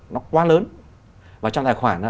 nó quá lớn vào trong tài khoản